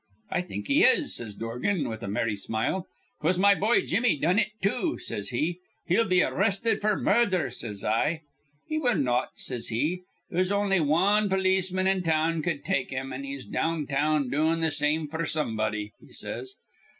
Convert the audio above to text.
'I think he is,' says Dorgan, with a merry smile. 'Twas my boy Jimmy done it, too,' says he. 'He'll be arrested f'r murdher,' says I. 'He will not,' says he. 'There's on'y wan polisman in town cud take him, an' he's down town doin' th' same f'r somebody,' he says.